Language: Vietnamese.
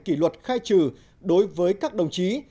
kỷ luật khai trừ đối với các đồng chí